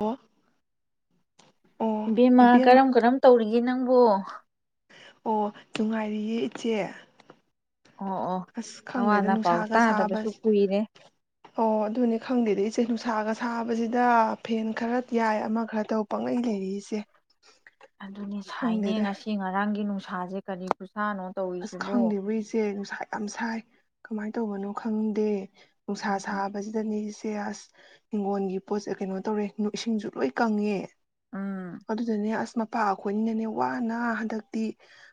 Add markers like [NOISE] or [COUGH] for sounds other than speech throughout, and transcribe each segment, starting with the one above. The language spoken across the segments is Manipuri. ꯑꯣ ꯑꯣ ꯏꯕꯦꯝꯃꯥ ꯏꯕꯦꯝ ꯀꯔꯝ ꯀꯔꯝ ꯇꯧꯔꯤ ꯑꯩꯒꯤ ꯅꯪꯕꯨꯣ ꯑꯣ ꯅꯨꯡꯉꯥꯏꯔꯤꯌꯦ ꯏꯆꯦ ꯑꯣ ꯑꯣ ꯑꯁ ꯅꯋꯥ ꯈꯪꯗꯦꯗ ꯅꯄꯥꯎ ꯅꯨꯡꯁꯥꯒ ꯁꯥꯕ ꯇꯥꯗꯕꯁꯨ ꯀꯨꯏꯔꯦ ꯑꯣ ꯑꯗꯨꯅꯤ ꯈꯪꯗꯦꯗ ꯏꯆꯦ ꯅꯨꯡꯁꯥ ꯁꯥꯒ ꯁꯥꯕꯁꯤꯗ ꯐꯦꯟ ꯈꯔ ꯌꯥꯏ ꯑꯃ ꯈꯔ ꯇꯧ ꯄꯪꯉꯩ ꯂꯩꯔꯤꯁꯦ ꯑꯗꯨꯅꯦ ꯁꯥꯏꯅꯦ ꯉꯁꯤ ꯉꯔꯥꯡꯒꯤ ꯅꯨꯡꯁꯠ ꯁꯥꯁ ꯀꯔꯤ ꯈꯨꯁꯥꯅꯣ ꯑꯁ ꯇꯧꯔꯤꯁꯤꯕꯨ ꯈꯪꯗꯦꯕ ꯏꯆꯦ ꯅꯨꯡꯁꯥ ꯌꯥꯝ ꯁꯥꯏ ꯀꯃꯥꯏꯅ ꯇꯧꯕꯅꯣ ꯈꯪꯗꯦ ꯅꯨꯡꯁꯥ ꯎꯝ ꯁꯥꯕꯁꯤꯗꯅꯤ ꯭ꯌꯥꯁ ꯍꯤꯡꯒꯣꯟꯜꯒꯤ ꯄꯣꯠꯁꯦ ꯀꯩꯅꯣ ꯇꯧꯔꯦ ꯏꯁꯤꯡꯁꯨ ꯂꯣꯏ ꯀꯪꯉꯦ ꯑꯥ ꯑꯗꯨꯗꯅꯦ ꯑꯁꯃ ꯄꯥꯈꯣꯏꯅꯤꯅꯅꯦ ꯋꯥꯅ ꯍꯟꯗꯛꯇꯤ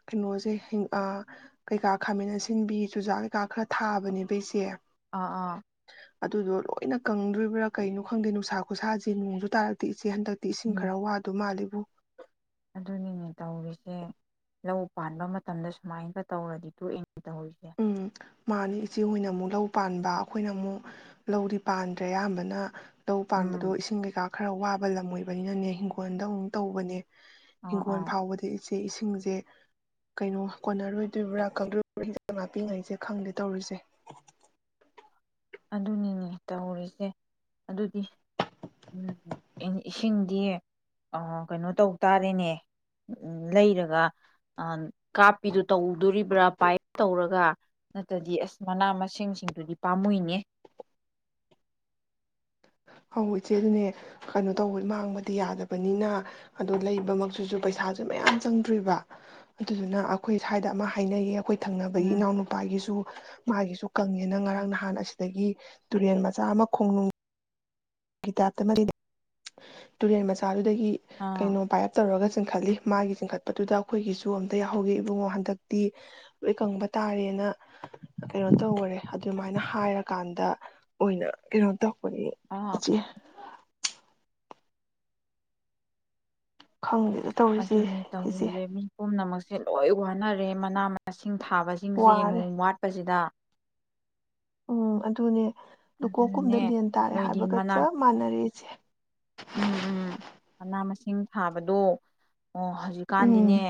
ꯀꯩꯅꯣꯁꯦ ꯀꯩꯀꯥ ꯈꯥꯃꯦꯟ ꯑꯁꯤꯟꯕꯤ ꯆꯨꯖꯥꯛ ꯀꯩꯀꯥ ꯈꯔ ꯊꯥꯕꯅꯦꯕꯩꯁꯦ ꯑꯥ ꯑꯥ ꯑꯗꯨꯗꯣ ꯂꯣꯏꯅ ꯀꯪꯗ꯭ꯔꯤꯕ꯭ꯔꯥ ꯀꯩꯅꯣ ꯈꯪꯗꯦ ꯅꯨꯡꯁꯥ ꯈꯨꯁꯥꯁꯦ ꯅꯣꯡꯁꯨ ꯇꯥꯔꯛꯇꯦ ꯁꯤ ꯍꯟꯗꯛꯇꯤ ꯏꯁꯤꯡ ꯎꯝ ꯈꯔ ꯋꯥꯗꯣ ꯃꯥꯜꯂꯤ ꯎꯝ ꯑꯗꯨꯅꯤꯅꯦ ꯇꯧꯔꯤꯁꯦ ꯂꯧ ꯄꯥꯟꯕ ꯃꯇꯝꯗ ꯁꯨꯃꯥꯏꯒ ꯇꯧꯔꯗꯤ ꯊꯣꯛꯣꯛꯑꯦ ꯎꯝ ꯃꯥꯅꯤ ꯏꯆꯦ ꯍꯅ ꯑꯃꯨꯛ ꯂꯧ ꯄꯥꯟꯕ ꯑꯩꯈꯣꯏꯅ ꯑꯃꯨꯛ ꯂꯧꯗꯤ ꯄꯥꯟꯗ꯭ꯔꯦ ꯑꯌꯥꯝꯕꯅ ꯇꯧ ꯎꯝ ꯄꯥꯟꯕꯗꯣ ꯏꯁꯤꯡ ꯀꯩꯀꯥ ꯈꯔ ꯋꯥꯕ ꯂꯝ ꯑꯣꯏꯕꯅꯤꯅꯅꯦ ꯍꯤꯡꯈꯣꯜꯗ ꯑꯃꯨꯛ ꯇꯧꯕꯅꯦ꯫ ꯑꯥ ꯍꯤꯡꯒꯣꯟ ꯑꯥ ꯐꯥꯎꯕꯗꯤ꯫ ꯁꯤ ꯏꯁꯤꯡꯁꯦ ꯀꯩꯅꯣ ꯀꯣꯟꯅꯔꯣꯏꯗꯣꯏꯕ꯭ꯔꯥ꯫ [UNINTELLIGIBLE] ꯉꯥꯛꯄꯤꯉꯩꯁꯦ ꯈꯪꯗꯦ ꯇꯧꯔꯤꯁꯦ꯫ ꯑꯗꯨꯅꯤꯅꯦ ꯇꯧꯔꯤꯁꯦ ꯑꯗꯨꯗꯤ ꯏꯁꯤꯡꯗꯤ ꯑꯥ ꯀꯩꯅꯣ ꯇꯧ ꯇꯥꯔꯦꯅꯦ ꯂꯩꯔꯒ ꯀꯥꯞꯄꯤꯗꯨ ꯇꯧꯗꯣꯔꯤꯕ꯭ꯔꯥ ꯄꯥꯏꯞ ꯇꯧꯔꯒ ꯅꯠꯇ꯭ꯔꯗꯤ ꯑꯁ ꯃꯅꯥ ꯃꯁꯤꯡꯁꯤꯡꯗꯨꯗꯤ ꯄꯥꯝꯃꯨꯏꯅꯦ꯫ ꯍꯧ ꯏꯆꯦꯗꯨꯅꯦ ꯀꯩꯅꯣ ꯇꯧꯕ ꯃꯥꯡꯕꯗꯤ ꯌꯥꯗꯕꯅꯤꯅ ꯑꯗꯣ ꯂꯩꯕꯃꯛꯇꯨꯁꯨ ꯄꯩꯁꯥꯁꯨ ꯃꯌꯥꯝ ꯆꯪꯗ꯭ꯔꫭꯏꯕ ꯑꯗꯨꯗꯨꯅ ꯑꯩꯈꯣꯏ ꯁ꯭ꯋꯥꯏꯗ ꯑꯃ ꯍꯥꯏꯅꯩꯌꯦꯕ꯫ ꯈꯣꯏ ꯊꯪꯅꯕꯒꯤ ꯎꯝ ꯏꯅꯥꯎꯅꯨꯄꯥꯒꯤꯁꯨ꯫ ꯃꯥꯒꯤꯁꯨ ꯀꯪꯉꯦꯅ ꯉꯔꯥꯡ ꯅꯍꯥꯟ ꯑꯁꯤꯗꯒꯤ ꯇꯨꯔꯦꯜ ꯃꯆꯥ ꯑꯃ ꯈꯣꯡꯅꯨꯡ꯫ ꯒꯤ ꯇꯇ ꯃꯔꯤ ꯇꯨꯔꯦꯟ ꯃꯆꯥ ꯑꯗꯨ꯫ ꯑꯗꯒꯤ ꯑꯥ ꯀꯩꯅꯣ ꯄꯥꯏꯞ ꯇꯧꯔꯒ ꯆꯤꯡꯈꯠꯂꯤ꯫ ꯃꯥꯒꯤ ꯆꯤꯡꯈꯠꯄꯗꯨꯗ ꯑꯩꯈꯣꯏꯒꯤꯁꯨ ꯑꯝꯇ ꯌꯥꯎꯍꯧꯒꯦ ꯏꯕꯨꯡꯉꯣ ꯍꯟꯗꯛꯇꯤ ꯍꯣꯏ ꯀꯪꯕ ꯇꯥꯔꯦꯅ ꯀꯩꯅꯣ ꯇꯧꯈꯔꯦ ꯑꯗꯨꯃꯥꯏꯅ ꯍꯥꯏꯔꯀꯥꯟꯗ ꯑꯣꯏꯅ ꯀꯩꯅꯣ ꯇꯧꯕꯅꯦ꯫ ꯑꯥ‌꯫ ꯈꯪꯗꯦꯗ ꯇꯧꯔꯤꯁꯦ ꯑꯗꯨꯅꯤ ꯏꯆꯦ ꯇꯧꯔꯤꯁꯦ ꯃꯤ ꯄꯨꯝꯅꯃꯛ꯫ ꯁꯦ ꯂꯣꯏ ꯋꯥꯅꯔꯦ ꯃꯅꯥ ꯃꯁꯤꯡ꯫ ꯊꯥꯕꯁꯤꯡꯁꯦ ꯋꯥꯔꯦ ꯅꯣꯡ ꯋꯥꯠꯄꯁꯤꯗ꯫ ꯎꯝ ꯑꯗꯨꯅꯦ꯫ ꯂꯨꯀꯣꯛ ꯀꯨꯝꯗ ꯑꯗꯨꯅꯅꯦ ꯂꯦꯟ ꯇꯥꯔꯦ ꯅꯣꯏꯗꯤ ꯍꯥꯏꯕꯒ ꯃꯅꯥ ꯆꯞ ꯃꯥꯟꯅꯔꯦ ꯏꯆꯦ꯫ ꯎꯝ ꯎꯝ ꯃꯅꯥ ꯃꯁꯤꯡ ꯊꯥꯕꯗꯣ꯫ ꯑꯣ ꯍꯧꯖꯤꯛꯀꯥꯟꯗꯤꯅꯦ꯫ ꯎꯝ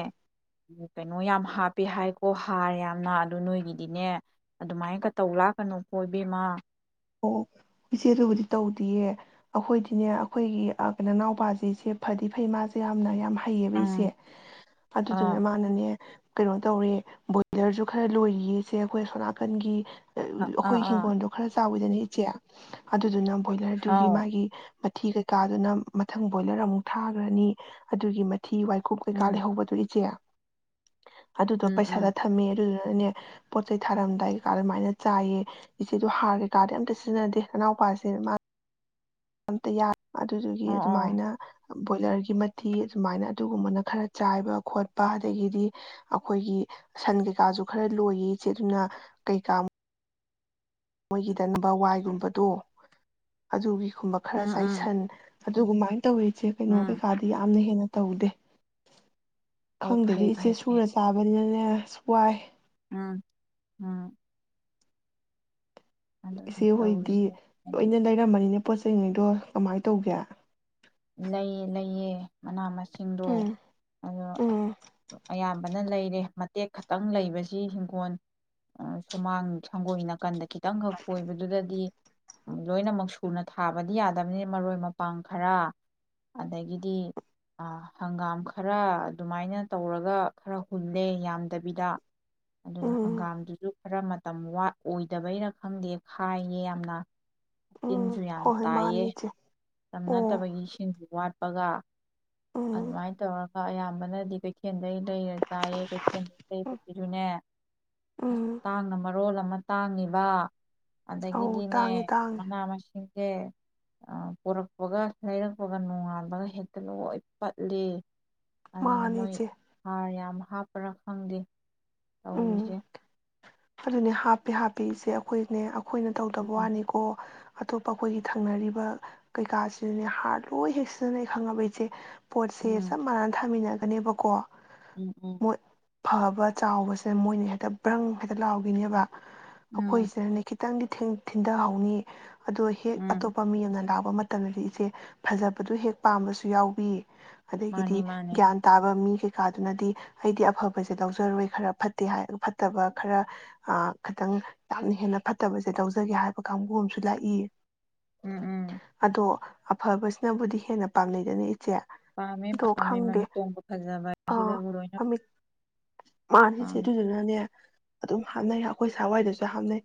ꯀꯩꯅꯣ ꯌꯥꯝ ꯍꯥꯞꯄꯦ ꯍꯥꯏꯀꯣ ꯍꯥꯔꯦ ꯌꯥꯝꯅ ꯑꯗꯨ ꯅꯣꯏꯒꯤꯗꯤꯅꯦ ꯑꯗꯨꯃꯥꯏꯅ ꯀ ꯇꯧ ꯂꯥꯛꯀꯅꯨ ꯀꯣꯏꯕꯦꯝꯃ꯫ ꯑꯣ ꯏꯆꯦꯗꯨꯕꯨꯗꯤ ꯇꯧꯗꯌꯦ ꯑꯩꯈꯣꯏꯗꯤꯅꯦ ꯑꯩꯈꯣꯏꯒꯤ ꯀꯅꯥ ꯅꯥꯎꯄꯥꯁꯤꯁꯦ ꯐꯗꯤ ꯐꯩ ꯃꯥꯁꯦ ꯌꯥꯝꯅ ꯌꯥꯝ꯫ ꯍꯩꯌꯦꯕ ꯏꯁꯦ ꯎꯝ ꯑꯗꯨꯗꯨꯅ ꯑꯥ ꯃꯥꯅꯅꯦ꯫ ꯀꯩꯅꯣ ꯇꯧꯔꯦ ꯕꯣꯏꯂꯔꯁꯨ ꯈꯔ ꯂꯣꯏꯔꯤꯌꯦꯁꯦ ꯑꯩꯈꯣꯏ ꯁꯣꯅꯥꯀꯟꯒꯤ꯫ ꯑꯥ ꯑꯈꯣꯏꯒꯤ ꯑꯥ ꯍꯤꯡꯒꯣꯜꯗꯣ ꯈꯔ꯫ ꯆꯥꯎꯋꯤꯗꯅ ꯏꯆꯦ ꯑꯗꯨꯗꯨꯅ꯫ ꯕꯣꯏꯂꯔꯗꯨꯒꯤ ꯑꯥꯎ ꯃꯥꯒꯤ꯫ ꯃꯊꯤ ꯀꯩꯀꯥꯗꯨꯅ ꯃꯊꯪ ꯕꯣꯏꯂꯔ ꯑꯃꯨꯛ ꯊꯥꯈ꯭ꯔꯅꯤ ꯑꯗꯨꯒꯤ꯫ ꯊꯤ ꯋꯥꯏꯀꯨꯞ ꯎꯝ ꯀꯩꯀꯥ ꯂꯩꯍꯧꯕꯗꯨ ꯏꯆꯦ꯫ ꯑꯗꯨꯗꯣ ꯎꯝ ꯎꯝ ꯄꯩꯁꯥꯗ ꯊꯝꯃꯦ ꯑꯗꯨꯗꯨꯅ꯫ ꯑꯅ‌ꯦ ꯄꯣꯠ ꯆꯩ ꯊꯥꯔꯝꯗꯥꯏ ꯑꯗꯨꯃꯥꯏꯅ ꯆꯥꯏꯌꯦ ꯏꯆꯦꯗ ꯍꯥꯔ꯫ ꯀꯥꯗꯤ ꯑꯝꯇ ꯁꯤꯖꯤꯟꯅꯗꯦ ꯅꯅꯥꯎꯄꯥꯁꯦ ꯃꯥ꯫ ꯑꯝꯇꯌꯥ꯫ ꯑꯗꯨꯗꯨꯒꯤ ꯑꯣ ꯑꯣ ꯑꯗꯨꯃꯥꯏꯅ꯫ ꯕꯣꯏꯂꯔꯒꯤ ꯃꯇꯤ ꯑꯗꯨꯃꯥꯏꯅ ꯑꯗꯨꯒꯨꯝꯕꯅ ꯈꯔ ꯆꯥꯏꯕ ꯈꯣꯠꯄ ꯑꯗꯒꯤꯗꯤ ꯑꯩꯈꯣꯏꯒꯤ ꯁꯟ ꯀꯩꯀꯥꯁꯨ ꯈꯔ ꯂꯣꯏꯌꯦ ꯏꯆꯦ ꯑꯗꯨꯅ ꯀꯩꯀꯥ꯫ ꯃꯣꯏꯒꯤꯗꯅꯕ ꯋꯥꯏꯒꯨꯝꯕꯗꯣ ꯑꯗꯨꯒꯤ꯫ ꯒꯨꯝꯕ ꯈꯔ ꯎꯝ ꯎꯝ ꯆꯥꯏꯁꯟ꯫ ꯑꯗꯨꯕꯨ ꯃꯥꯏ ꯇꯧꯔꯤꯁꯦ ꯀꯩꯅꯣ ꯎꯝ ꯀꯩꯀꯥꯗꯤ ꯌꯥꯝꯅ ꯍꯦꯟꯅ ꯇꯧꯗꯦ ꯑꯣ ꯈꯪꯗꯦꯗ ꯐꯩ ꯏꯆꯦ ꯐꯩ ꯐꯩ ꯁꯨꯔ ꯆꯥꯕꯅꯤꯅꯅꯦ ꯑꯦꯁ ꯋꯥꯏ ꯎꯝ ꯎꯝ ꯑꯗꯨꯅꯤ ꯏꯆꯦ ꯍꯣꯏꯗꯤ ꯇꯧꯔꯤꯁꯦ ꯍꯥꯏꯗꯤ ꯂꯣꯏꯅ ꯂꯩꯔꯝꯃꯅꯤꯅꯦ ꯄꯣꯠ ꯆꯩ ꯉꯩꯗꯣ ꯀꯃꯥꯏꯅ ꯇꯧꯒꯦ ꯂꯩꯌꯦ ꯂꯩꯌꯦ ꯃꯅꯥ ꯃꯁꯤꯡ ꯁꯤꯡꯗꯣ ꯎꯝ ꯑꯗꯣ ꯎꯝ ꯑꯌꯥꯝꯕ ꯐꯖꯅ ꯂꯩꯔꯦ ꯃꯇꯦꯛ ꯈꯛꯇꯪ ꯂꯩꯕꯁꯤ ꯍꯤꯡꯈꯣꯜ ꯁꯨꯃꯥꯡ ꯁꯪꯒꯣꯏ ꯅꯥꯀꯟꯗ ꯈꯤꯇꯪꯈꯛ ꯀꯣꯏꯕꯗꯨꯗꯗꯤ ꯂꯣꯏꯅꯃꯛ ꯁꯨꯅ ꯊꯥꯕꯗꯤ ꯌꯥꯗꯕꯅꯤ ꯃꯔꯣꯏ ꯃꯄꯥꯡ ꯈꯔ ꯑꯗꯒꯤꯗꯤ ꯍꯪꯒꯥꯝ ꯈꯔ ꯑꯗꯨꯃꯥꯏꯅ ꯇꯧꯔꯒ ꯈꯔ ꯍꯨꯜꯂꯦ ꯌꯥꯝꯗꯕꯤꯗ ꯑꯗꯨꯒ ꯎꯝ ꯍꯪꯒꯥꯝꯗꯨꯁꯨ ꯈꯔ ꯃꯇꯝ ꯋꯥꯠ ꯑꯣꯏꯗꯕꯩꯔ ꯈꯪꯗꯦ ꯈꯥꯏꯌꯦ ꯌꯥꯝꯅ ꯎꯝ ꯇꯤꯟꯁꯨ ꯌꯥꯝ ꯍꯣꯏ ꯍꯣꯏ ꯇꯥꯏꯌꯦ ꯃꯥꯅꯤ ꯏꯆꯦ ꯃꯇꯝ ꯑꯣ ꯅꯠꯇꯕꯒꯤ ꯋꯥꯠꯄꯒ ꯎꯝ ꯑꯗꯨꯃꯥꯏꯅ ꯇꯧꯔꯒ ꯑ ꯑꯌꯥꯝꯕꯅꯗꯤ ꯀꯩꯊꯦꯜꯗꯩ ꯂꯩꯔ ꯆꯥꯏꯌꯦ ꯀꯩꯊꯦꯜꯗꯩ ꯂꯩꯕꯁꯤꯁꯨꯅꯦ ꯑꯁ ꯎꯝ ꯇꯥꯡꯅ ꯃꯔꯣꯜ ꯑꯃ ꯇꯥꯡꯉꯤꯕ ꯑꯧ ꯑꯗꯒꯤꯗꯤꯅꯦ ꯇꯥꯡꯉꯦ ꯇꯥꯡꯉꯦ ꯃꯅꯥ ꯃꯁꯤꯡ ꯁꯦ ꯑꯥ ꯄꯨꯔꯛꯄꯒ ꯂꯩꯔꯛ ꯄꯒ ꯅꯣꯡꯉꯥꯟꯕꯒ ꯍꯦꯛꯇ ꯂꯣꯏ ꯄꯠꯂꯤ ꯑꯗꯨꯅ ꯃꯥꯅꯤ ꯃꯣꯏ ꯏꯆꯦ ꯍꯥꯔ ꯌꯥꯝ ꯍꯥꯞꯄ꯭ꯔꯥ ꯈꯪꯗꯦ ꯎꯝ ꯇꯧꯔꯤꯁꯦ ꯑꯗꯨꯅꯦ ꯍꯥꯞꯄꯦ ꯍꯥꯞꯄꯦ ꯏꯆꯦ ꯑꯩꯈꯣꯏꯅꯦ ꯑꯩꯈꯣꯏꯅ ꯇꯧꯗꯕ ꯎꯝ ꯋꯥꯅꯤꯀꯣ ꯑꯇꯣꯞꯄ ꯑꯩꯈꯣꯏꯒꯤ ꯊꯪꯅꯔꯤꯕ ꯀꯩꯀꯥꯁꯤꯗꯅꯦ ꯍꯥꯔ ꯂꯣꯏ ꯍꯦꯛ ꯁꯤꯖꯤꯟꯅꯩ ꯈꯪꯉꯕ ꯏꯆꯦ ꯄꯣꯠꯁꯦ ꯎꯝ ꯆꯞ ꯃꯥꯟꯅꯅ ꯊꯥꯃꯤꯟꯅ ꯑꯅꯦꯕꯀꯣ ꯎꯝ ꯎꯝ ꯐꯕ ꯆꯥꯎꯕꯁꯦ ꯃꯣꯏꯅ ꯍꯦꯛꯇ ꯕ꯭ꯔꯪ ꯍꯦꯛꯇ ꯂꯥꯎꯒꯤꯅꯤꯕ ꯎꯝ ꯑꯩꯈꯣꯏꯁꯤꯟꯅꯦ ꯈꯤꯇꯪꯗꯤ ꯊꯤꯟꯗꯍꯧꯅꯤ ꯑꯗꯣ ꯍꯦꯛ ꯎꯝ ꯑꯇꯣꯞꯄ ꯃꯤ ꯑꯃꯅ ꯂꯥꯛ ꯇ ꯃꯇꯝꯗꯗꯤ ꯏꯆꯦ ꯐꯖꯕꯗꯨ ꯍꯦꯛ ꯄꯥꯝꯕꯁꯨ ꯌꯥꯎꯕꯤ ꯑꯗꯒꯤꯗꯤ ꯃꯥꯅꯤ ꯃꯥꯅꯤ ꯒ꯭ꯌꯥꯟ ꯇꯥꯕ ꯃꯤ ꯀꯩꯀꯥꯗꯨꯅꯗꯤ ꯑꯩꯗꯤ ꯑꯐꯕꯖꯦ ꯂꯧꯖꯔꯣꯏ ꯈꯔ ꯐꯠꯇꯦ ꯍꯥꯏ ꯐꯠꯇꯕ ꯈꯔ ꯑ ꯈꯤꯇꯪ ꯌꯥꯝꯅ ꯍꯦꯟꯅ ꯐꯠꯇꯕꯁꯦ ꯂꯧꯖꯒꯦ ꯍꯥꯏꯕ ꯀꯥꯡꯕꯨ ꯑꯃꯁꯨ ꯂꯥꯛꯏ ꯎꯝ ꯎꯝ ꯑꯗꯣ ꯑꯐꯕꯁꯤꯅꯕꯨꯗꯤ ꯍꯦꯟꯅ ꯄꯥꯝꯅꯩꯗꯅꯤ ꯄꯥꯝꯃꯦ ꯄꯥꯝꯃꯦ ꯃꯃꯤꯠ ꯇꯣꯡꯕ ꯐꯖꯕ ꯑꯁꯤꯗꯕꯨ ꯂꯣꯏꯅ ꯃꯥꯅꯤꯆꯦ ꯄꯥꯝꯃꯦ ꯗꯨꯗꯨ ꯅꯅꯦ ꯑꯗꯨꯝ ꯍꯥꯞꯅꯩ ꯑꯩꯈꯣꯏ ꯁꯥꯋꯥꯏꯗꯁꯨ ꯍꯥꯞꯅꯩ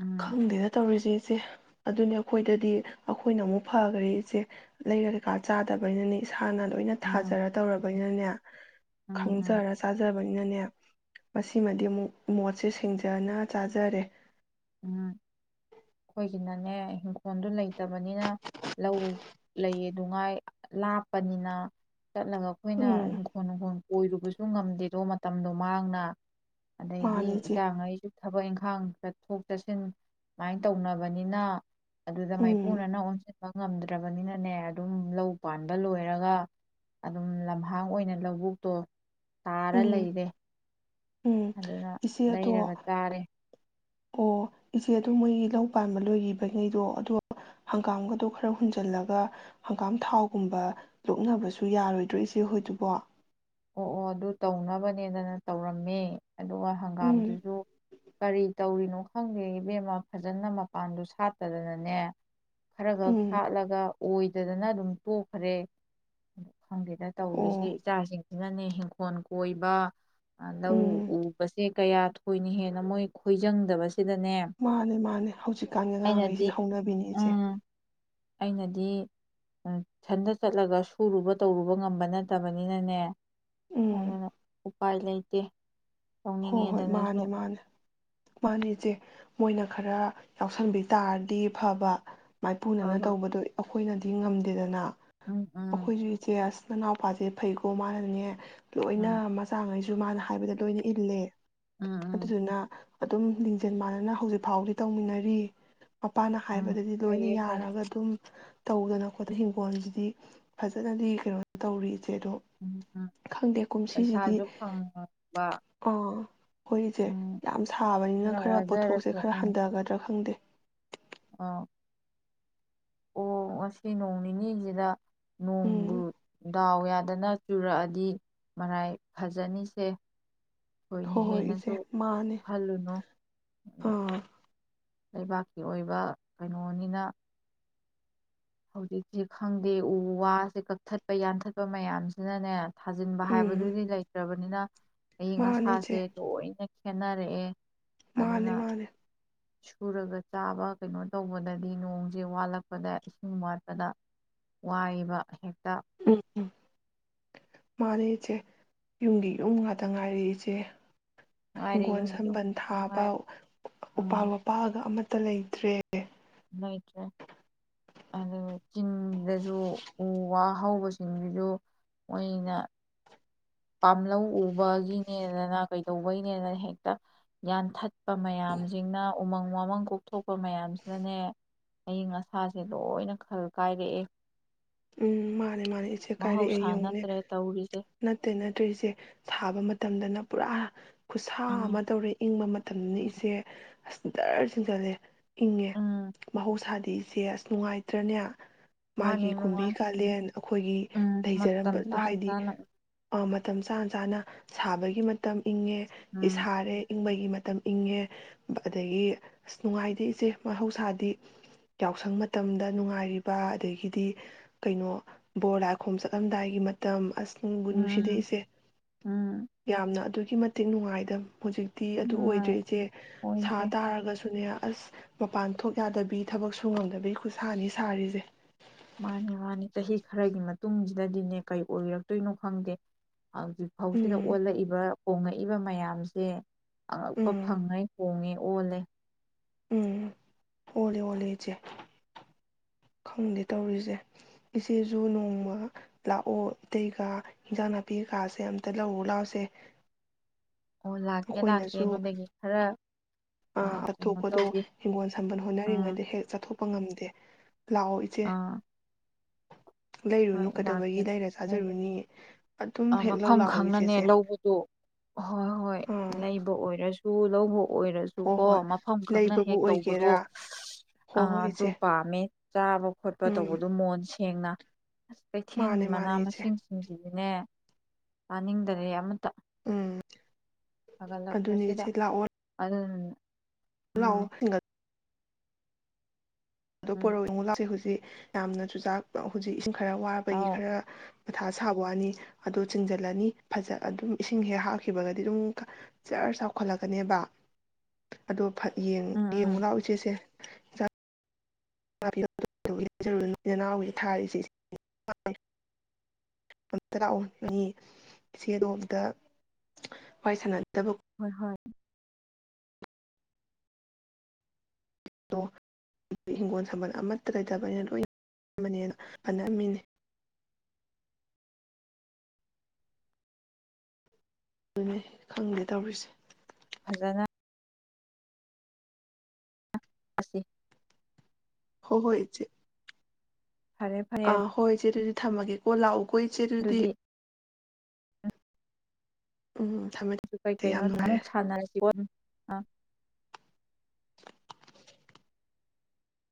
ꯎꯝ ꯈꯪꯗꯦꯅ ꯇꯧꯔꯤꯖꯦ ꯏꯆꯦ ꯑꯗꯨꯅꯦ ꯑꯩꯈꯣꯏꯗꯗꯤ ꯑꯩꯈꯣꯏꯅ ꯑꯃꯨꯛ ꯐꯒꯔ꯭ꯦ ꯏꯆꯦ ꯂꯩꯔ ꯀꯩꯀꯥ ꯆꯥꯗꯕꯅꯤꯅꯅꯦ ꯍꯥꯟꯅ ꯂꯣꯏꯅ ꯎꯝ ꯊꯥꯖꯔ ꯇꯧꯔꯕꯩꯅ ꯏ [UNINTELLIGIBLE] ꯎꯝ ꯎꯝ ꯈꯪꯖꯔ ꯆꯥꯖꯕꯅꯤ ꯅꯅꯦ ꯃꯁꯤꯃꯗꯤ ꯑꯃꯨꯛ ꯃꯣꯠꯁꯦ ꯁꯦꯡꯖꯅ ꯆꯥꯖꯔꯦ ꯎꯝ ꯑꯩꯈꯣꯏꯒꯤꯅꯅꯦ ꯏꯪꯈꯣꯜꯗꯣ ꯂꯩꯇꯕꯅꯤꯅ ꯂꯧ ꯂꯩꯌꯦꯗꯨ ꯉꯥꯏ ꯂꯥꯞꯄꯅꯤꯅ ꯆꯠꯂꯒ ꯑꯩꯈꯣꯏꯅ ꯎꯝ ꯏꯤꯡꯈꯣꯜ ꯅꯨꯡꯈꯣꯜ ꯀꯣꯏꯔꯨꯕꯁꯨ ꯉꯝꯗꯦꯗꯣ ꯃꯇꯝꯗꯣ ꯃꯥꯡꯅ ꯑꯗꯩꯗꯤ ꯃꯥꯅꯤ ꯏꯆꯦ ꯏꯆꯥꯉꯩꯁꯨ ꯊꯕꯛ ꯏꯪꯈꯥꯡ ꯆꯠꯊꯣꯛ ꯆꯠꯁꯤꯟ ꯁꯨꯃꯥꯏꯅ ꯇꯧꯅꯕꯅꯤꯅ ꯑꯗꯨꯗ ꯎꯝ ꯃꯥꯏꯄꯨꯅꯅ ꯑꯣꯟ ꯉꯝꯗ꯭ꯔꯕꯅꯤꯅꯅꯦ ꯑꯗꯨꯝ ꯂꯧ ꯄꯥꯟꯕ ꯂꯣꯏꯔꯒ ꯑꯗꯨꯝ ꯂꯝꯍꯥꯡ ꯑꯣꯏꯅ ꯂꯧꯕꯨꯛꯇꯣ ꯇꯥꯔ ꯎꯝ ꯂꯩꯔꯦ ꯎꯝ ꯑꯗꯨꯅ ꯏꯆꯦ ꯑꯗꯣ ꯂꯩꯔꯒ ꯆꯥꯔꯦ ꯑꯣ ꯏꯆꯦ ꯑꯗꯨ ꯃꯣꯏꯒꯤ ꯂꯧ ꯄꯥꯟꯕ ꯂꯣꯏꯒꯤꯕꯉꯩꯗꯣ ꯑꯗꯣ ꯍꯪꯒꯥꯝꯒꯗꯣ ꯈꯔ ꯍꯨꯟꯖꯜꯂꯒ ꯍꯪꯒꯥꯝ ꯊꯥꯎꯒꯨꯝꯕ ꯂꯣꯛꯅꯕꯁꯨ ꯌꯥꯔꯣꯏꯗ꯭ꯔꯣ ꯏꯆꯦ ꯍꯣꯏꯗꯨꯕꯣ ꯑꯣ ꯑꯣ ꯑꯗꯨ ꯇꯧꯅꯕꯅꯦꯗꯅ ꯇꯧꯔꯝꯃꯦ ꯑꯗꯨꯒ ꯎꯝ ꯍꯪꯒꯥꯝꯗꯨꯖꯨ ꯀꯔꯤ ꯇꯧꯔꯤꯅꯣ ꯈꯪꯗꯦ ꯏꯕꯦꯝꯃ ꯐꯖꯅ ꯃꯄꯥꯟꯗꯨ ꯁꯥꯠꯇꯗꯅꯅꯦ ꯈꯔ ꯒꯛ ꯎꯝ ꯁꯥꯠꯂꯒ ꯑꯣꯏꯗꯗꯅ ꯑꯗꯨꯝ ꯇꯣꯛꯈ꯭ꯔꯦ ꯑ ꯈꯪꯗꯦꯗ ꯇꯧꯔꯤꯁꯦ ꯑꯣ ꯏꯆꯥꯁꯤꯡ ꯁꯤꯅꯅꯦ ꯍꯤꯡꯒꫭꯜ ꯀꯣꯏꯕ ꯂꯧ ꯎꯝ ꯎ ꯄꯁꯦ ꯀꯌꯥ ꯊꯣꯏꯅ ꯍꯦꯟꯅ ꯃꯣꯏ ꯈꯣꯏꯖꯪꯗꯕ ꯃꯥꯅꯦ ꯃꯥꯅꯦ ꯍꯧꯖꯤꯛꯀꯥꯟꯒꯤ ꯑꯩꯅꯗꯤ ꯑꯉꯥꯡꯉꯩꯁꯤꯦ ꯍꯧꯅꯕꯤꯅꯤ ꯏꯆꯦ ꯎꯝ ꯑꯩꯅꯗꯤ ꯁꯟꯗ ꯆꯠꯂꯒ ꯁꯨꯔꯨꯕ ꯇꯧꯔꯨꯕ ꯉꯝꯕ ꯅꯠꯇꯕꯅꯤꯅꯅꯦ ꯑ ꯎꯝ ꯎꯄꯥꯏ ꯂꯩꯇꯦ ꯍꯣꯏ ꯍꯣꯏ ꯇꯧꯅꯤꯡꯉꯦꯗꯅꯁꯨ ꯃꯥꯅꯦ ꯃꯥꯅꯦ ꯃꯥꯅꯤ ꯏꯆꯦ ꯃꯣꯏꯅ ꯈꯔ ꯌꯥꯎꯁꯟꯕꯤ ꯇꯥꯔꯗꯤ ꯐꯕ ꯃꯥꯏꯄꯨꯅꯅ ꯑꯕ ꯇꯧꯕꯗꯣ ꯑꯩꯈꯣꯏꯅꯗꯤ ꯉꯝꯗꯦꯗꯅ ꯎꯝ ꯎꯝ ꯑꯩꯈꯣꯏꯁꯨ ꯏꯇꯤꯍꯥꯁ ꯅꯅꯥꯎꯄꯥꯁꯦ ꯐꯩꯀꯣ ꯃꯥꯅꯅꯦ ꯂꯣꯏꯅ ꯎꯝ ꯃꯆꯥꯉꯩꯁꯨ ꯁꯨ ꯃꯥꯅ ꯍꯥꯏꯕꯗ ꯂꯣꯏꯅꯤ ꯏꯂꯦ ꯎꯝ ꯎꯝ ꯑꯗꯨꯗꯨꯅ ꯑꯗꯨꯝ ꯂꯤꯡꯖꯦꯜ ꯃꯥꯟꯅꯅ ꯍꯧꯖꯤꯛ ꯐꯥꯎꯗꯤ ꯇꯧꯃꯤꯟꯅꯔꯤ ꯃꯄꯥꯅ ꯎꯝ ꯍꯥꯏꯕꯗꯗꯤ ꯂꯣꯏꯅ ꯐꯩꯌꯦ ꯐꯩꯌꯦ ꯌꯥꯔꯒ ꯑꯗꯨꯝ ꯇꯧꯗꯅ ꯈꯣꯠꯇꯅ ꯍꯤꯡꯒꯣꯜꯁꯤꯗꯤ ꯐꯖꯅꯗꯤ ꯀꯩꯅꯣ ꯇꯧꯔꯤ ꯏꯆꯦ ꯑꯗꯣ ꯎꯝ ꯎꯝ ꯈꯪꯗꯦ ꯀꯨꯝꯁꯤꯁꯤꯗꯤ ꯄꯩꯁꯥꯁꯨ ꯐꯪꯕ ꯑꯥ ꯑꯩꯈꯣꯏꯁꯦ ꯎꯝ ꯌꯥꯝ ꯁꯥꯕꯅꯤꯅ ꯈꯔ ꯄꯣꯠꯊꯣꯛꯁꯦ ꯈꯔ ꯍꯟꯊꯒꯗ꯭ꯔꯥ ꯈꯪꯗꯦ ꯑ ꯑꯣ ꯉꯁꯤ ꯅꯣꯡ ꯅꯤꯅꯤꯁꯤꯗ ꯎꯝ ꯅꯣꯡꯕꯨꯨ ꯎꯌꯥ ꯐꯗꯅ ꯆꯨꯔꯛꯑꯗꯤ ꯃꯔꯥꯏ ꯐꯖꯅꯤꯁꯦ ꯊꯣꯏꯅ ꯍꯣꯏ ꯍꯣꯏ ꯏꯆꯦ ꯍꯦꯟꯅꯁꯨ ꯃꯥꯅꯦ ꯈꯜꯂꯨꯅꯨ ꯑꯗꯣ ꯑꯥ ꯂꯩꯕꯥꯛꯀꯤ ꯑꯣꯏꯕ ꯀꯩꯅꯣꯅꯤꯅ ꯍꯧꯖꯤꯛꯇꯁꯦ ꯈꯪꯗꯦ ꯎ ꯋꯥꯁꯦ ꯀꯛꯊꯠꯄ ꯌꯥꯟꯊꯠꯄ ꯃꯌꯥꯝꯁꯤꯅꯅꯦ ꯊꯥꯖꯤꯟꯕ ꯎꯝ ꯍꯥꯏꯕꯗꯨꯗꯤ ꯂꯩꯇ꯭ꯔꯕꯅꯤꯅ ꯑꯌꯪ ꯃꯥꯅꯦ ꯏꯆꯦ ꯑꯁꯥꯁꯦ ꯂꯣꯏꯅ ꯁꯅꯔꯦꯑꯦ ꯃꯥꯅꯦ ꯃꯥꯅꯦ ꯁꯨꯔꯒ ꯆꯥꯕ ꯀꯩꯅꯣ ꯇꯧꯕꯗꯗꯤ ꯅꯣꯡꯁꯦ ꯋꯥꯠꯂꯛꯄꯗ ꯅꯨꯡ ꯋꯥꯠꯄꯗ ꯋꯥꯏꯕ ꯍꯦꯛ ꯇ ꯎꯝ ꯎꯝ ꯃꯥꯅꯦ ꯏꯆꯦ ꯌꯨꯝꯒꯤ ꯌꯨꯝ ꯉꯥꯛꯇ ꯉꯥꯏꯔꯦ ꯏꯆꯦ ꯉꯥꯏꯔꯦ ꯍꯤꯡꯒꯣꯜ ꯌꯨꯝꯒꯤ ꯌꯨꯝ ꯁꯝꯕꯜ ꯈꯛꯇ ꯊꯥꯕ ꯉꯥꯏꯔꯦ ꯎꯄꯥꯛ ꯎꯝ ꯋꯥꯄꯥꯜꯒ ꯑꯃ ꯇ ꯂꯩꯇ꯭ꯔꯦ ꯂꯩꯇ꯭ꯔꯦ ꯑꯗꯨꯒ ꯆꯤꯡꯗꯁꯨ ꯎ ꯋꯥ ꯍꯧꯕꯁꯤꯡꯗꯨꯁꯨ ꯃꯣꯏꯅ ꯄꯥꯝꯂꯧ ꯎꯕꯒꯤꯅꯦꯗꯅ ꯀꯩꯗꯧꯕꯩꯅꯦꯗꯅ ꯍꯦꯛꯇ ꯄꯥꯝꯂꯧꯒꯤꯗꯅꯦꯅꯥ ꯀꯩꯗꯧꯕꯩꯅꯦꯅꯥ ꯍꯦꯛꯇ ꯌꯥꯟꯊꯠꯄ ꯃꯌꯥꯝꯁꯤꯡꯅ ꯎꯃꯪ ꯋꯥꯃꯪ ꯀꯣꯛꯊꯣꯛꯄ ꯃꯌꯥꯝꯁꯤꯅꯅꯦ ꯑꯏꯤꯡ ꯑꯁꯥꯁꯦ ꯂꯣꯏꯅ ꯈꯜ ꯀꯥꯏꯔꯛꯑꯦ ꯎꯝ ꯃꯥꯅꯦ ꯃꯥꯅꯦ ꯏꯆꯦ ꯀꯥꯏꯔꯛꯑꯦ ꯃꯍꯧꯁꯥ ꯌꯦꯡꯉꯨꯅꯦ ꯅꯠꯇ꯭ꯔꯦ ꯇꯧꯔꯤꯁꯦ ꯇꯦ ꯅꯠꯇꯦ ꯏꯆꯦ ꯊꯥꯕ ꯃꯇꯝꯗꯅ ꯄꯨꯔꯥ ꯈꯨꯠꯁꯥ ꯑꯃ ꯎꯝ ꯇꯧꯔꯦ ꯏꯪꯕ ꯃꯇꯝꯅꯤꯅ ꯏꯆꯦ ꯑꯁ ꯗꯔꯔ ꯆꯤꯡꯖꯜꯂꯦ ꯏꯪꯉꯦ ꯎꯝ ꯃꯍꯧꯁꯥꯗ ꯅꯦ ꯏꯆꯦ ꯑꯁ ꯅꯨꯡꯉꯥꯏꯇ꯭ꯔꯅꯦ ꯃꯥꯒꯤ ꯃꯥꯅꯦ ꯀꯨꯝꯕꯤ ꯅꯨꯡꯉꯥꯏ ꯀꯥꯂꯦꯟ ꯑꯩꯈꯣꯏꯒꯤ ꯎꯝ ꯃꯇꯝ ꯂꯩꯖꯔꯝꯕꯗꯣ ꯆꯥꯅ ꯍꯥꯏꯗꯤ ꯆꯥꯅ ꯃꯇꯝ ꯆꯥ ꯆꯥꯅ ꯁꯥꯕꯒꯤ ꯃꯇꯝ ꯏꯪꯉꯦ ꯎꯝ ꯁꯔꯦ ꯏꯪꯕꯒꯤ ꯃꯠ ꯃꯇꯝ ꯏꯪꯉꯦ ꯑꯗꯒꯤ ꯑꯁ ꯅꯨꯡꯉꯥꯏꯇꯦ ꯏꯆꯦ ꯃꯍꯧꯁꯥꯗꯤ ꯌꯥꯎꯁꯪ ꯃꯇꯝꯗ ꯅꯨꯡꯉꯥꯏꯔꯤꯕ ꯑꯗꯒꯤꯗꯤ ꯀꯩꯅꯣ ꯕꯣꯔ ꯂꯥꯏꯈꯣꯝ ꯆꯠꯂꯝꯗꯥꯏꯒꯤ ꯃꯇꯝ ꯑꯁ ꯅꯨꯡꯕꯨ ꯎꯝ ꯅꯨꯡꯁꯤꯗꯏꯁꯦ ꯎꯝ ꯌꯥꯝꯅ ꯑꯗꯨ ꯑꯗꯨꯛꯀꯤ ꯃꯇꯤꯛ ꯅꯨꯡꯉꯥꯏꯇꯕ ꯍꯧꯖꯤꯛꯇꯤ ꯑꯗꯨ ꯅꯨꯡꯉꯥꯏ ꯑꯣꯏꯗ꯭ꯔꯦ ꯏꯆꯦ ꯁꯥ ꯑꯣꯏꯗ꯭ꯔꯦ ꯇꯥꯔꯒꯁꯨꯅꯦ ꯑꯁ ꯃꯄꯥꯟ ꯊꯣꯛ ꯌꯥꯗꯕꯤ ꯊꯕꯛ ꯁꯨ ꯉꯝꯗꯕꯤꯒꯤ ꯈꯨꯠꯁꯥꯅꯤ ꯁꯥꯔꯤꯁꯦ ꯃꯥꯅꯤ ꯃꯥꯅꯤ ꯆꯍꯤ ꯈꯔꯒꯤ ꯃꯇꯨꯡꯁꯤꯗꯗꯤꯅꯦ ꯀꯩ ꯑꯣꯏꯔꯛꯇꯣꯏꯅꯣ ꯈꯪꯗꯦ ꯍꯧꯖꯤꯛ ꯐꯥꯎꯁꯤꯗ ꯎꯝ ꯑꯣꯜꯂꯛꯏꯕ ꯀꯣꯡꯉꯩ ꯄꯛꯏꯕ ꯃꯌꯥꯝꯁꯦ ꯑꯉꯛꯄ ꯎꯝ ꯐꯪꯉꯩ ꯍꯣꯡꯉꯦ ꯑꯣꯅꯦ ꯎꯝ ꯑꯣꯜꯂꯦ ꯑꯣꯜꯂꯦ ꯏꯆꯦ ꯈꯪꯗꯦ ꯇꯧꯔꯤꯁꯦ ꯏꯆꯦꯁꯨ ꯅꯣꯡꯃ ꯂꯥꯛꯑꯣ ꯏꯇꯩꯒ ꯏꯟꯖꯥꯡ ꯅꯥꯄꯤꯒꯥꯁꯦ ꯑꯇ ꯂꯧꯔꯨ ꯂꯥꯛꯁꯦ ꯑꯣ ꯂꯥꯛꯀꯦ ꯂꯥꯛꯀꯦ ꯅꯣꯟꯗꯒꯤ ꯈꯔ ꯑꯥ ꯀꯩꯅꯣ ꯑꯇꯣꯞꯄꯗꯣ ꯇꯧꯒꯦ ꯍꯤꯡꯒꯣꯜ ꯁꯝꯕꯜ ꯎꯝ ꯍꯣꯠꯅꯔꯤꯉꯩꯗ ꯍꯦꯛ ꯆꯠꯊꯣꯛꯄ ꯉꯝꯗꯦ ꯂꯥꯛꯑꯣ ꯏꯆꯦ ꯑꯥ ꯍꯣꯏ ꯂꯩꯔꯨꯅꯨ ꯂꯥꯛꯀꯦ ꯀꯩꯗꯧꯕꯒꯤ ꯂꯩꯔ ꯆꯥꯖꯔꯨꯅꯤ ꯑꯗꯨꯝ ꯍꯦꯛ ꯂꯧ ꯃꯐꯝ ꯂꯥꯛꯑꯣ ꯈꯪꯅꯅꯦ ꯏꯆꯦꯁꯦ ꯂꯧꯕꯗꯣ ꯍꯣꯏ ꯍꯣꯏ ꯑꯥ ꯂꯩꯕ ꯑꯣꯏꯔꯁꯨ ꯇꯨ ꯂꯧꯍꯨ ꯍꯣ ꯑꯣꯏꯔꯁꯨꯀꯣ ꯍꯣꯏ ꯃꯐꯝ ꯈꯪꯅ ꯂꯩꯕꯕꯨ ꯍꯦꯛ ꯇꯧꯕꯗꯣ ꯑꯣꯏꯒꯦꯔꯥ ꯍꯣ ꯑ ꯍꯣꯏ ꯑꯗꯨ ꯏꯆꯦ ꯄꯥꯝꯃꯦ ꯆꯥꯕ ꯈꯣꯠꯄ ꯎꯝ ꯇꯧꯕꯗꯣ ꯃꯣꯟꯁ ꯁꯦꯡꯅ ꯑꯁ ꯀꯩꯊꯦꯜꯒꯤ ꯃꯥꯅꯦ ꯃꯅꯥ ꯃꯥꯅꯦ ꯏꯆꯦ ꯃꯁꯤꯡꯁꯤꯡꯗꯤ ꯅꯦ ꯆꯥꯅꯤꯡꯗꯔꯦ ꯑꯃ ꯇ ꯎꯝ ꯑꯗꯨꯅꯦ ꯐꯒꯠꯂꯛꯄꯁꯤꯗ ꯏꯆꯦ ꯑꯗꯨ ꯂꯥꯛꯑꯣ [UNINTELLIGIBLE] ꯑꯗꯣ ꯎꯝ ꯄꯔꯣꯔꯛꯑꯣ ꯏ ꯑꯃꯨꯛ ꯂꯥꯛꯁꯦ ꯍꯧꯖꯤꯛ ꯌꯥꯝꯅ ꯆꯨꯖꯥꯛ ꯍꯧꯖꯤꯛ ꯏꯁꯤꯡ ꯈꯔ ꯋꯥꯕꯒꯤ ꯑꯧ ꯈꯔ ꯃꯊꯥ ꯁꯥꯕ ꯋꯥꯅꯤ ꯑꯗꯨꯗ ꯆꯤꯡꯖꯜꯂꯅꯤ ꯐꯖ ꯑꯗꯨꯝ ꯏꯁꯤꯡ ꯍꯦꯛ ꯍꯥꯞꯈꯤꯕꯒꯗꯤ ꯑꯗꯨꯝ ꯖꯔ ꯆꯥꯎꯈꯠꯂꯛꯀꯅꯦꯕ ꯑꯗꯣ ꯌꯦ ꯎꯝ ꯌꯦꯡꯉꯨ ꯎꯝ ꯂꯥꯛꯑꯣ ꯏꯆꯦꯁꯦ [UNINTELLIGIBLE] ꯑꯝꯇ ꯂꯥꯛꯑꯣꯅꯤ ꯏꯆꯦꯗꯣꯝꯗ ꯋꯥꯔꯤꯏ ꯁꯥꯟꯅꯗꯕ ꯍꯣꯏ ꯍꯣꯏ [UNINTELLIGIBLE] ꯍꯤꯡꯒꯣꯜ ꯁꯥꯝꯕꯜ ꯑꯃꯠꯇ ꯂꯩꯇꯕꯅꯤꯅ ꯂꯣꯏꯕꯅꯦꯅ ꯄꯅꯝꯃꯤꯅꯤ ꯑꯗꯨꯅꯦ ꯈꯪꯗꯦ ꯇꯧꯔꯤꯁꯦ ꯐꯖꯅ ꯑꯁꯤ ꯍꯣ ꯍꯣꯏ ꯏꯆꯦ ꯐꯔꯦ ꯐꯔꯦ ꯑꯥ ꯍꯣꯏ ꯢꯆꯦ ꯑꯗꯨꯗꯤ ꯊꯝꯃꯒꯦꯀꯣ ꯂꯥꯛꯑꯣ ꯀꯣ ꯢꯆꯦ ꯑꯗꯨꯗꯤ ꯎꯝ ꯊꯝꯃꯦ ꯑꯗꯨ ꯀꯩ ꯊꯝꯃꯦ ꯌꯥꯝ ꯀꯩꯅꯣꯗ ꯅꯨꯡꯉꯥꯏꯔꯦ ꯑꯃꯨꯛ ꯁꯥꯟꯅꯔꯁꯤ [UNINTELLIGIBLE] ꯑꯥ [INAUDIBLE]